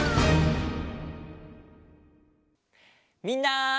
みんな！